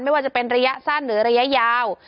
ไม่ว่าจะเป็นระยะสั้นหรือระยะยาว